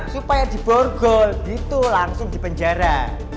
supaya diborgol gitu langsung dipenjara